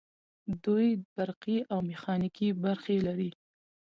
دوی برقي او میخانیکي برخې لري.